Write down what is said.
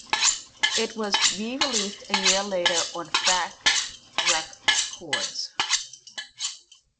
It was re-released a year later on Fat Wreck Chords.